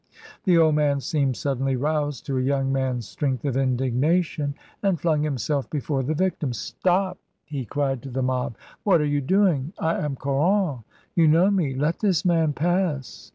The old man seemed suddenly roused to a young man's strength of indignation, and flung him self before the victim. "Stop!" he cried to the mob. "What are you doing? I am Caron. You know me. Let this man pass!"